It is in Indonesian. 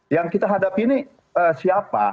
yang kita hadapi ini siapa